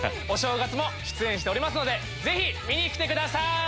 お正月も出演しておりますのでぜひ見に来てください。